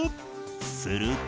すると。